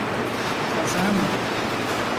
Kaza mı?